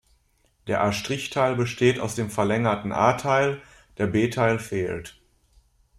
Der A’-Teil besteht aus dem verlängerten a-Teil, der b-Teil fehlt.